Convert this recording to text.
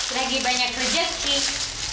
lagi banyak kerja sih